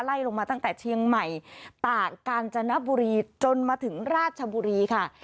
ลงมาตั้งแต่เชียงใหม่ตากกาญจนบุรีจนมาถึงราชบุรีค่ะ